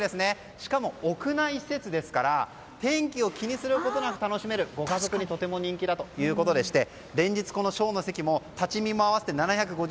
しかも屋内施設ですから天気を気にすることなく楽しめる家族にとても人気ということで連日、ショーの席も立ち見も合わせて７５０